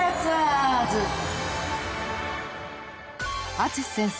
［淳先生